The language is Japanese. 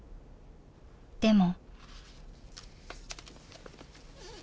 でも。